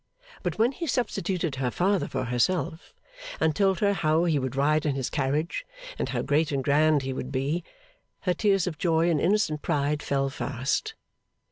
But when he substituted her father for herself, and told her how he would ride in his carriage, and how great and grand he would be, her tears of joy and innocent pride fell fast.